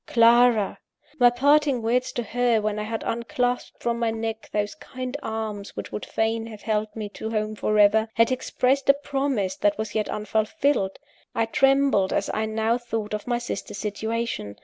Clara! My parting words to her, when I had unclasped from my neck those kind arms which would fain have held me to home for ever, had expressed a promise that was yet unfulfilled. I trembled as I now thought on my sister's situation.